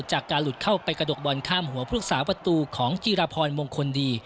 จากการหลุดเข้าไปกระดกบอลข้ามหัวพฤกษาประตูของจีรพรมงคลดี